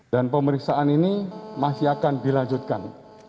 dan pemeriksaan ini masih akan dilanjutkan